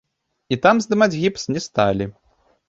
І там здымаць гіпс не сталі.